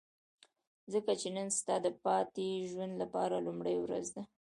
ځکه چې نن ستا د پاتې ژوند لپاره لومړۍ ورځ ده.